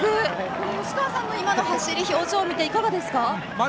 吉川さんの今の走りや表情見ていかがですか。